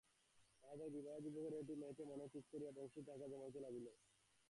তাহাদের বিবাহযোগ্য ঘরের একটি মেয়েকে মনে মনে ঠিক করিয়া বংশী টাকা জমাইতে লাগিল।